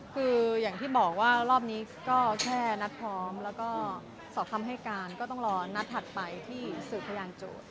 คืออย่างที่บอกว่ารอบนี้ก็แค่นัดพร้อมแล้วก็สอบคำให้การก็ต้องรอนัดถัดไปที่สืบพยานโจทย์